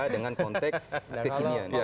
dengan konteks kekinian